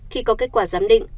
khi có kết quả giám định